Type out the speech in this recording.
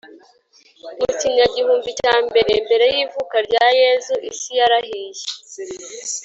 mu kinyagihumbi cya mbere mbere y ivuka rya Yezu isi yarahiye